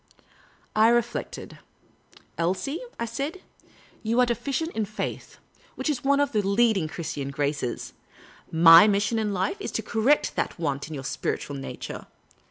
I reflected, " Elsie," I said, " you are deficient in faith — which is one of the leading Christian graces. My mission in life is to correct that want in your spiritual nature.